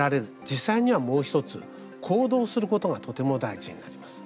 実際にはもう１つ行動することがとても大事になります。